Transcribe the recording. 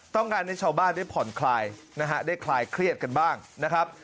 ต้องการให้ชาวบ้านได้ผ่อนคลายนะฮะได้คลายเครียดกันบ้างนะครับ